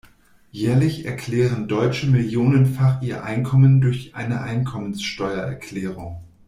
Jährlich erklären Deutsche millionenfach ihr Einkommen durch eine Einkommensteuererklärung.